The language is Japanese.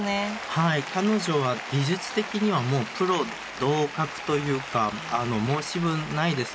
はい彼女は技術的にはもうプロ同格というか申し分ないですね。